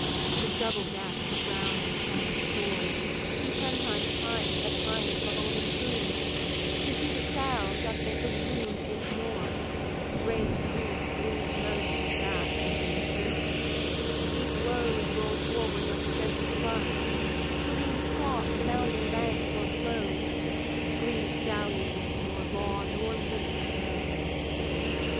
'Tis double death to drown in ken of shore; He ten times pines that pines beholding food; To see the salve doth make the wound ache more; Great grief grieves most at that would do it good; Deep woes roll forward like a gentle flood; Who, being stopp'd, the bounding banks o'erflows; Grief dallied with nor law nor limit knows.